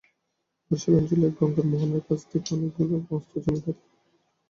বরিশাল অঞ্চলে এব গঙ্গার মোহনার কাছে তাঁর অনেকগুলি মস্ত জমিদারি।